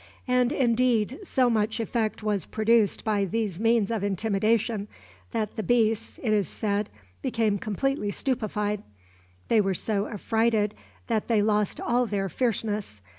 And, indeed, so much effect was produced by these means of intimidation, that the beasts, it is said, became completely stupefied. "They were so affrighted that they lost all their fierceness.